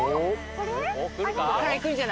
ここからいくんじゃない？